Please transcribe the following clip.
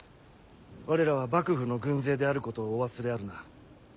我らは幕府の軍勢であることをお忘れあるな。